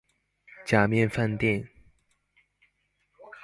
假面飯店